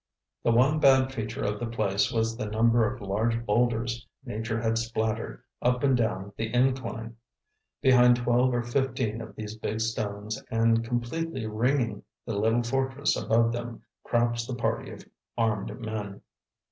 The one bad feature of the place was the number of large boulders nature had splattered up and down the incline. Behind twelve or fifteen of these big stones and completely ringing the little fortress above them, crouched the party of armed men.